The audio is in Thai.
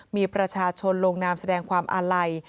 มีประชาชนลงนามแสดงความอาลัย